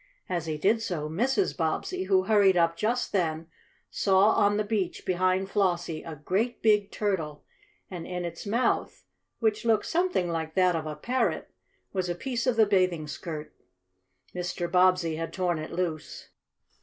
As he did so Mrs. Bobbsey, who hurried up just then, saw on the beach behind Flossie a great, big turtle, and in its mouth, which looked something like that of a parrot, was a piece of the bathing skirt. Mr. Bobbsey had torn it loose.